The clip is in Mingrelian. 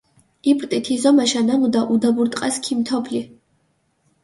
იპრტი თი ზომაშა ნამუდა, უდაბურ ტყას ქიმთობლი.